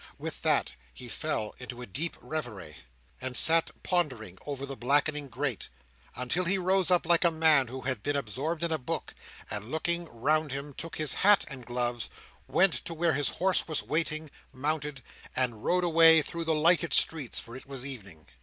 With that he fell into a deeper reverie, and sat pondering over the blackening grate, until he rose up like a man who had been absorbed in a book, and looking round him took his hat and gloves, went to where his horse was waiting, mounted, and rode away through the lighted streets, for it was evening.